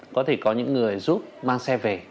có thể có những người giúp mang xe về